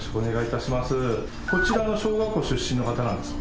こちらの小学校出身の方なんですか？